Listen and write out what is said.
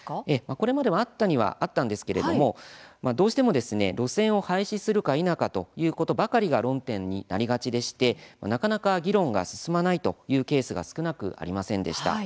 これまでもあったはあったんですがどうしても路線を廃止するか否かということばかりが論点になりがちでしてなかなか議論が進まないというケースが少なくありませんでした。